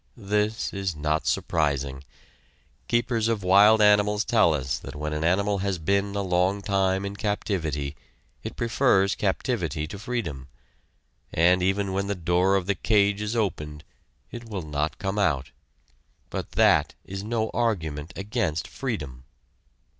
This is not surprising. Keepers of wild animals tell us that when an animal has been a long time in captivity it prefers captivity to freedom, and even when the door of the cage is opened it will not come out but that is no argument against freedom.